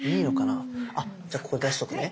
あじゃあここ出しとくね。